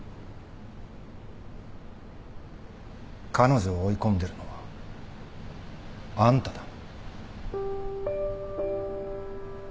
彼女を追い込んでるのはあんただ。